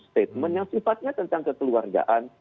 statement yang sifatnya tentang kekeluargaan